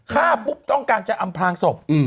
ฆ่าปุ๊บต้องการจะอำพลางศพ